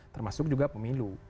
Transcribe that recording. termasuk juga pemilu